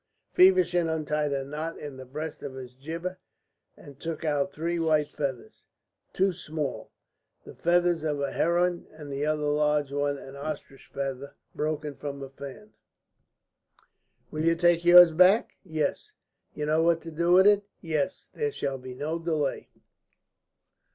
Feversham untied a knot in the breast of his jibbeh and took out three white feathers, two small, the feathers of a heron, the other large, an ostrich feather broken from a fan. "Will you take yours back?" "Yes." "You know what to do with it." "Yes. There shall be no delay."